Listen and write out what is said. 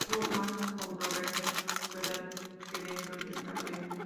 Hubo más controversia fuera que dentro del tablero.